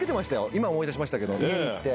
今思い出しました家行って。